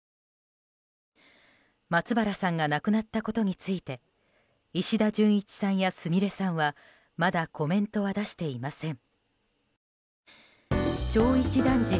松原さんが亡くなったことについて石田純一さんや、すみれさんはまだコメントは出していません。